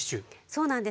そうなんです。